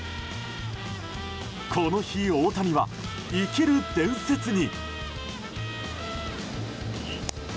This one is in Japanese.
この日、大谷は生きる伝説に。